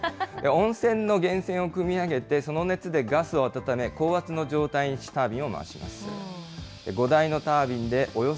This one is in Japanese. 温泉の源泉をくみ上げて、その熱でガスを温め、高圧の状態にしタービンを回します。